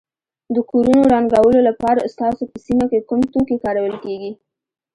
د کورونو رنګولو لپاره ستاسو په سیمه کې کوم توکي کارول کیږي.